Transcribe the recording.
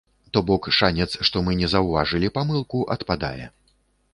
То бок шанец, што мы не заўважылі памылку адпадае.